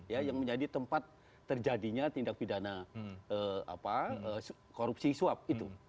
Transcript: ya yang menjadi tempat terjadinya tindak pidana korupsi suap itu